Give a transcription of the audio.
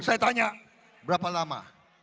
saya tanya berapa lama